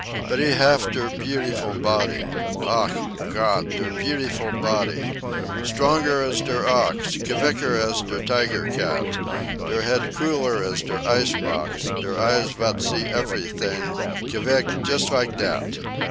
"But he haf der beautiful body ach, Gott, der beautiful body! stronger as der ox, k vicker as der tiger cat, der head cooler as der ice box, der eyes vat see eferytings, k vick, just like dat.